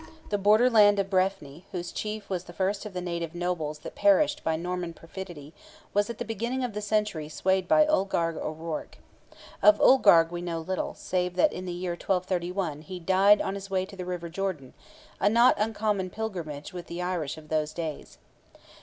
The border land of Breffni, whose chief was the first of the native nobles that perished by Norman perfidy, was at the beginning of the century swayed by Ulgarg O'Rourke. Of Ulgarg we know little, save that in the year 1231 he "died on his way to the river Jordan"—a not uncommon pilgrimage with the Irish of those days.